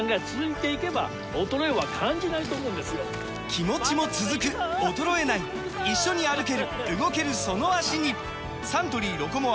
気持ちも続く衰えない一緒に歩ける動けるその脚にサントリー「ロコモア」！